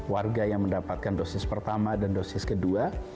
warga yang mendapatkan dosis pertama dan dosis kedua